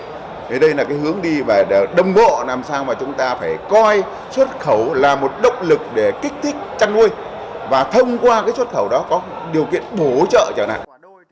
thế đây là cái hướng đi và đồng bộ làm sao mà chúng ta phải coi xuất khẩu là một động lực để kích thích chăn nuôi và thông qua cái xuất khẩu đó có điều kiện bổ trợ cho ngành